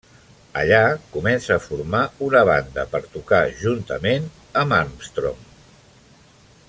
Allà comença a formar una banda per tocar juntament amb Armstrong.